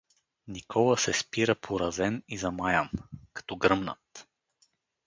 Никола се спира поразен и замаян, като гръмнат.